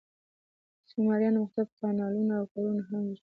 سومریانو مختلف کانالونه او کورونه هم جوړ کړي وو.